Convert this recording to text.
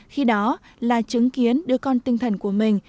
khi đó là chứng kiến đưa con tinh thần của mình